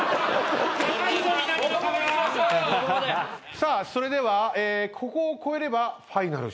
さあそれではここを超えればファイナル進出です。